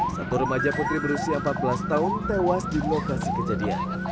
satu remaja putri berusia empat belas tahun tewas di lokasi kejadian